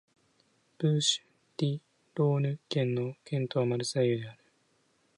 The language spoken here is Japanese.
ブーシュ＝デュ＝ローヌ県の県都はマルセイユである